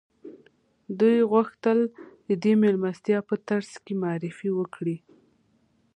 دوی غوښتل د دې مېلمستیا په ترڅ کې معرفي وکړي